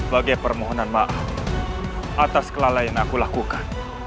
bagi permohonan maaf atas kelalaian yang aku lakukan